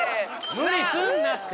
・無理すんなって！